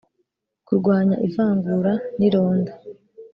Kurwanya ivangura n ironda